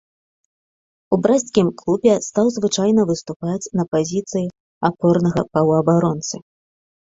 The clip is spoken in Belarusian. У брэсцкім клубе стаў звычайна выступаць на пазіцыі апорнага паўабаронцы.